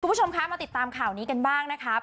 คุณผู้ชมคะมาติดตามข่าวนี้กันบ้างนะครับ